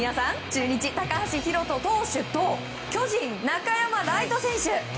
中日、高橋宏斗投手と巨人、中山礼都選手。